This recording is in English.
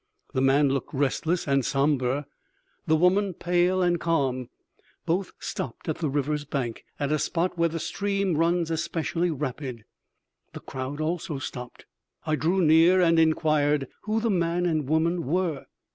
The man looked restless and somber; the woman pale and calm. Both stopped at the river's bank, at a spot where the stream runs especially rapid. The crowd also stopped. I drew near and inquired who the man and woman were.